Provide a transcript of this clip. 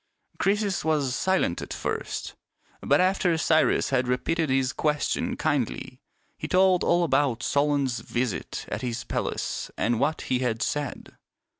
Croesus was silent at first; but after Cyrus had repeated his question kindly, he told all about Solon's visit at his palace and what he had said.